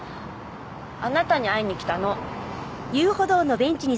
あなたに会いにきたの。